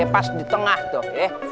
pas di tengah tuh